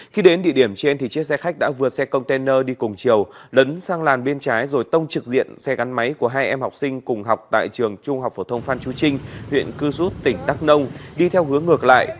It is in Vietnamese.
khi đến địa điểm trên chiếc xe khách đã vượt xe container đi cùng chiều lấn sang làn bên trái rồi tông trực diện xe gắn máy của hai em học sinh cùng học tại trường trung học phổ thông phan chú trinh huyện cư rút tỉnh đắk nông đi theo hướng ngược lại